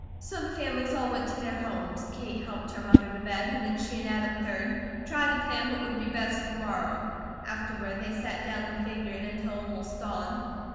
So the families all went to their homes; Kate helped her mother to bed; and then she and Adam, 3d, tried to plan what would be best for the morrow; afterward they sat down and figured until almost dawn.